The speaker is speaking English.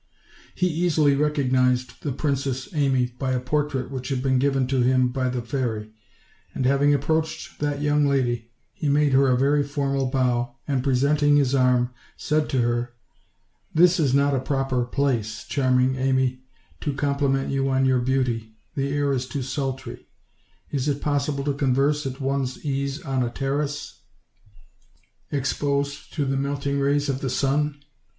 He easily recognized the Princess Amy by a portrait which had been given to him by the fairy; and having approached that young lady, he made her a very formal bow, and presenting his arm, said to her: "This is not a proper place, charming Amy, to com pliment you on your beauty, the air is too sultry; is it possible to converse at one's ease on a terrace, exposed to the melting rays of the sun?